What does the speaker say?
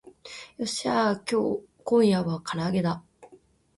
よっしゃー今夜は唐揚げだ